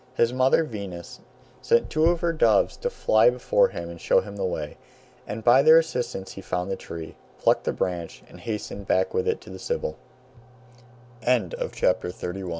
His mother, Venus, sent two of her doves to fly before him and show him the way, and by their assistance he found the tree, plucked the branch, and hastened back with it to